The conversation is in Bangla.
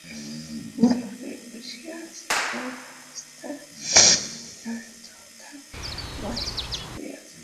ঘরে বসিয়া আছেন এমন সময়ে হয়তো থাকিয়া বাহিরে চলিয়া যান।